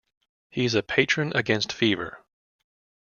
He is a patron against fever.